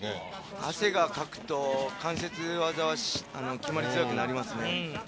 汗をかくと関節技は決まりづらくなりますね。